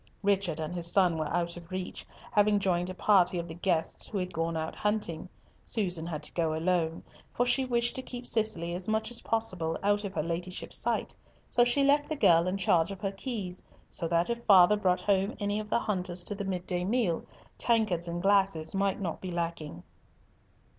Richard and his son were out of reach, having joined a party of the guests who had gone out hunting. Susan had to go alone, for she wished to keep Cicely as much as possible out of her Ladyship's sight, so she left the girl in charge of her keys, so that if father brought home any of the hunters to the midday meal, tankards and glasses might not be lacking.